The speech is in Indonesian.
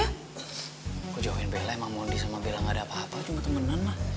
kok jauhin bella emang monde sama bella gak ada apa apa cuma temenan mah